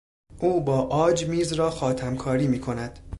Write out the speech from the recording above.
او با عاج میز را خاتمکاری میکند.